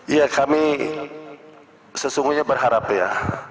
ya kami sesungguhnya berharap ya